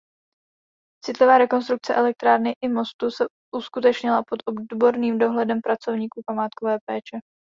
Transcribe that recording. Citlivá rekonstrukce elektrárny i mostu se uskutečnila pod odborným dohledem pracovníků památkové péče.